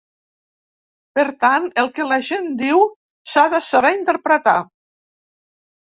Per tant, el que la gent diu s'ha de saber interpretar.